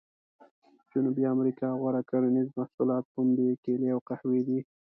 جنوبي امریکا غوره کرنیز محصولات پنبې، کېلې او قهوې دي.